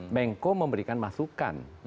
menko memberikan masukan